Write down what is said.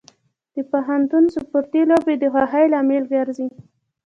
د پوهنتون سپورتي لوبې د خوښۍ لامل ګرځي.